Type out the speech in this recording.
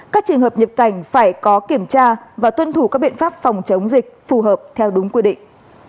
các trường hợp nhập cảnh phải có kiểm tra và tuân thủ các biện pháp phòng chống dịch phù hợp theo đúng quy định